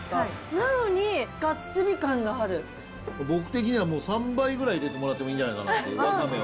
なのに、僕的には３倍ぐらい入れてもらってもいいんじゃないかなと、わかめを。